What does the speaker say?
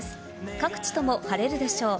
各地とも晴れるでしょう。